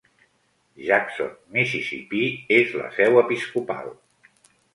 Jackson, Mississippi és la seu episcopal.